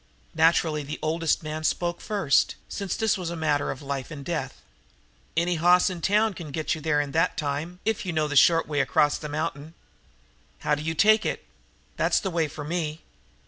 Naturally the oldest man spoke first, since this was a matter of life and death. "Any hoss in town can get you there in that time, if you know the short way across the mountain." "How do you take it? That's the way for me."